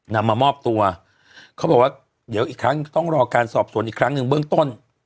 นำมามอบตัวเขาบอกว่าเดี๋ยวอีกครั้งต้องรอการสอบสวนอีกครั้งหนึ่งเบื้องต้น